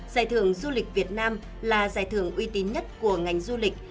giải thưởng du lịch việt nam là giải thưởng uy tín nhất của ngành du lịch